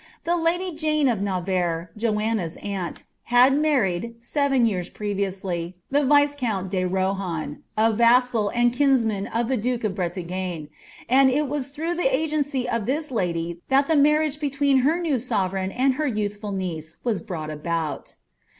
* The lady Jane of Navarre, Joanna's aunt, had marrie<l, seven years previously, the viscount de Rohan, a vassal and kinsman of the duke of Brcta.^ne, and it was through the agency of this lady that the marriage between her new sovereign and her youthful niece was brought about.